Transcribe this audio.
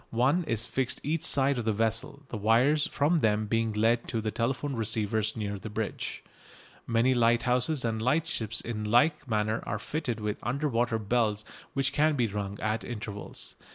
One is fixed each side of the vessel, the wires from them being led to telephone receivers near the bridge. Many lighthouses and lightships in like manner are fitted with under water bells which can be rung at intervals.